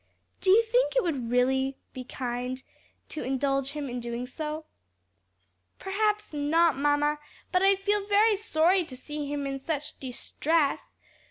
Do you think it would be really kind to indulge him in doing so?" "Perhaps not, mamma; but I feel very sorry to see him in such distress.